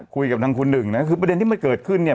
คุยกับทางคุณหนึ่งนะคือประเด็นที่มันเกิดขึ้นเนี่ย